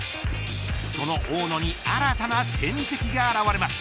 その大野に新たな天敵が現れます。